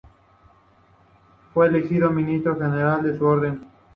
Fue elegido ministro general de su orden.